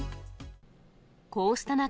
こうした中、